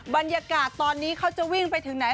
บรรยากาศตอนนี้เขาจะวิ่งไปถึงไหน